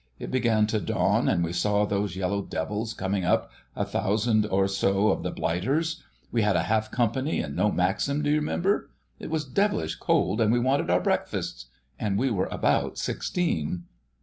It began to dawn, and we saw those yellow devils coming up, a thousand or so of the blighters: we had a half company and no maxim, d'you remember? It was dev'lish cold, and we wanted our breakfasts, ... and we were about sixteen?"